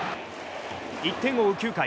１点を追う９回。